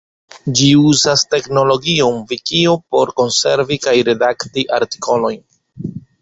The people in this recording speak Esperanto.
Ĝi uzas teknologion vikio por konservi kaj redakti artikolojn.